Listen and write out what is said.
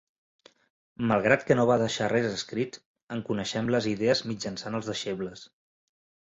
Malgrat que no va deixar res escrit, en coneixem les idees mitjançant els deixebles.